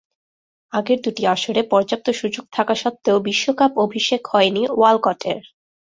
আগের দুটি আসরে পর্যাপ্ত সুযোগ থাকা সত্ত্বেও বিশ্বকাপ অভিষেক হয়নি ওয়ালকটের।